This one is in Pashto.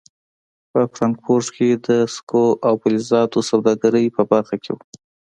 په فرانکفورټ کې د سکو او فلزاتو سوداګرۍ په برخه کې و.